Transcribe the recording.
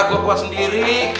gua kuat sendiri